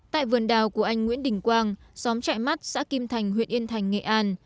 tại vườn đào của anh nguyễn đình quang xóm chạy mắt xã kim thành huyện yên thành nghệ an